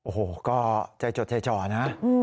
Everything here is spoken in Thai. โอ้โหก็ใจจดใจจ่อนะ